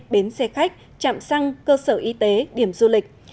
bến xe khách chạm xăng cơ sở y tế điểm du lịch